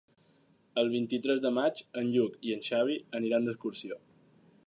El vint-i-tres de maig en Lluc i en Xavi aniran d'excursió.